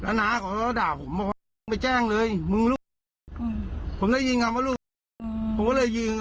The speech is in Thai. แล้วน้าเขาด่าผมไปแจ้งเลยมึงผมได้ยินคำว่าผมเลยยิง